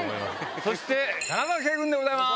そして田中圭君でございます。